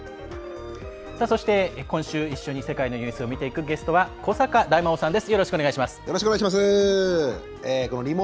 今週一緒に世界のニュースを見ていくゲストは古坂大魔王さんです。